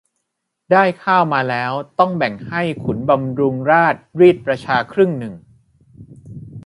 ได้ข้าวมาแล้วต้องแบ่งให้ขุนบำรุงราชรีดประชาครึ่งหนึ่ง